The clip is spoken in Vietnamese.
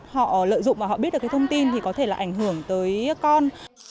họ lợi dụng và họ biết được cái thông tin thì có thể là ảnh hưởng tới con